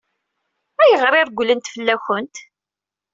Ayɣer i regglent fell-awen?